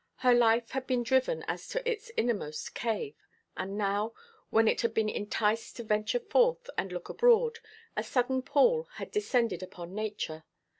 Her life had been driven as to its innermost cave; and now, when it had been enticed to venture forth and look abroad, a sudden pall had descended upon nature.